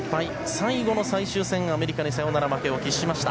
最後の最終戦、アメリカにサヨナラ負けを喫しました。